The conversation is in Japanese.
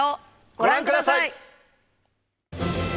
ご覧ください！